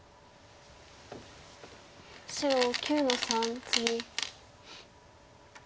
白９の三ツギ。